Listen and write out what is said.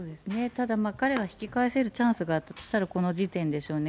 ただ、彼は引き返せるチャンスがあったとしたら、この時点でしょうね。